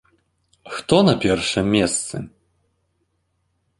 Хто на першым месцы?